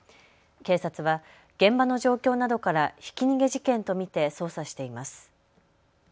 警察は現場の状況などからひき逃げ事件と見て捜査しています。